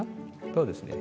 そうですね。